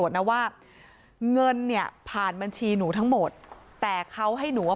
ใช่ไง